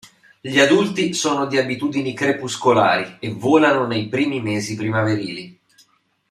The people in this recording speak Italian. Gli adulti sono di abitudini crepuscolari, e volano nei primi mesi primaverili.